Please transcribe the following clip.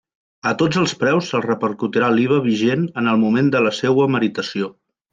A tots els preus se'ls repercutirà l'IVA vigent en el moment de la seua meritació.